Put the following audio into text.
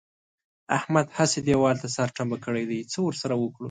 احمد هسې دېوال ته سر ټنبه کړی دی؛ څه ور سره وکړو؟!